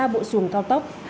ba bộ xuồng cao tốc